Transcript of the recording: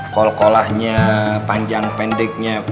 kol kolahnya panjang pendeknya